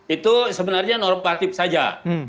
itu sebenarnya normatif saja